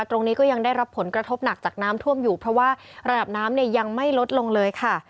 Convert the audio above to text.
ก็ยังได้รับผลกระทบหนักจากน้ำท่วมอยู่เพราะว่าระดับน้ำเนี่ยยังไม่ลดลงเลยค่ะ